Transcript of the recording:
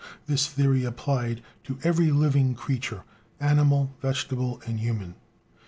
This theory applied to every living creature, animal, vegetable, and human.